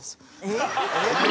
えっ！